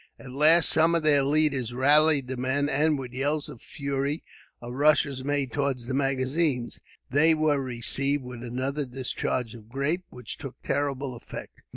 At last some of their leaders rallied the men; and, with yells of fury, a rush was made towards the magazine. They were received with another discharge of grape, which took terrible effect.